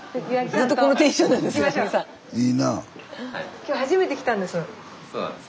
今日初めて来たんです。